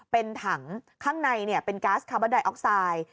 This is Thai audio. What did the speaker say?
เป็นถังข้างในเป็นก๊าซคาร์บอนไดออกไซด์